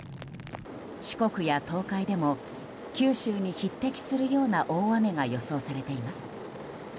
四国や東海でも九州に匹敵するような大雨が予想されています。